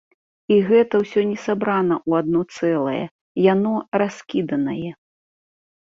І гэта ўсё не сабрана ў адно цэлае, яно раскіданае.